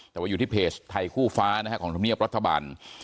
แต่ว่าอยู่ที่เพจไทยคู่ฟ้านะฮะของธรรมเนียบรัฐบาล